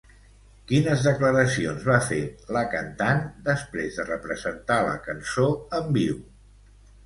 Quines declaracions va fer, la cantant, després de representar la cançó en viu?